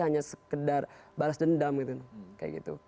hanya sekedar balas dendam gitu